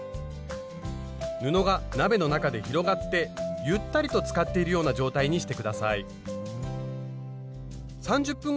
布が鍋の中で広がってゆったりとつかっているような状態にして下さい。